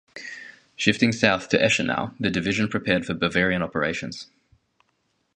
Shifting south to Eschenau, the Division prepared for Bavarian operations.